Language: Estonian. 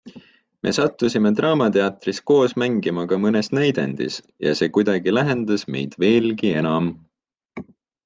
Me sattusime Draamateatris koos mängima ka mõnes näidendis ja see kuidagi lähendas meid veelgi enam.